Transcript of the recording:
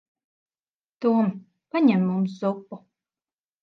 Tom. Paņem mums zupu.